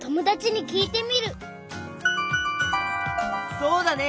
そうだね！